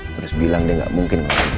terus bilang deh gak mungkin